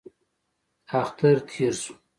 اختر تېر شو.